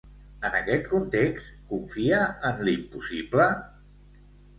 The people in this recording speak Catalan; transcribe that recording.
En aquest context, confia en l'impossible?